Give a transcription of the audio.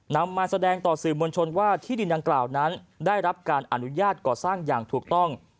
นำมาแสดงต่อสื่อมวลชนว่าที่ดินดังกล่าวนั้นได้รับการอนุญาตก่อสร้างอย่างถูกต้อง